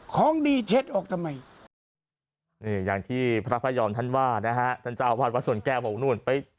ของดีเช็ดออกทำไม